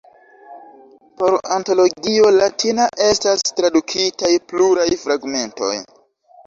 Por Antologio Latina estas tradukitaj pluraj fragmentoj.